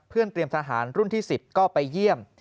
เตรียมทหารรุ่นที่๑๐ก็ไปเยี่ยม